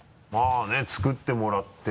まぁね作ってもらって